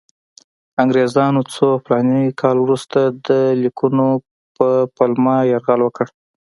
انګریزانو څو فلاني کاله وروسته د لیکونو په پلمه یرغل وکړ.